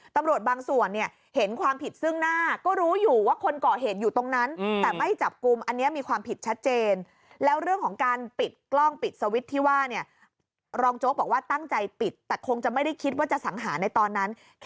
ตำรวจบางส่วนเนี่ยเห็นความผิดซึ่งหน้าก็รู้อยู่ว่าคนก่อเหตุอยู่ตรงนั้น